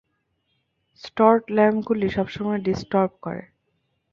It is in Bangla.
স্ট্রট ল্যাম্পগুলি সব সময় ডিসটর্ব করে।